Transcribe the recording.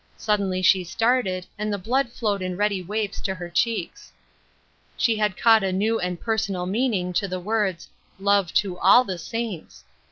Sud denly she started, and the blood flowed in ready waves into her cheeks. She had caught a new and personal meaning to the words —" love to all the saints."